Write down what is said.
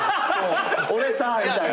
「俺さ」みたいな。